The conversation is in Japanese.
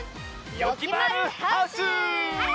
「よきまるハウス」！